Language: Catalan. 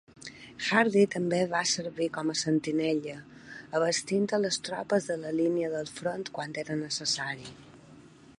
Hardy també va servir com a sentinella, abastint a les tropes de la línia del front quan era necessari.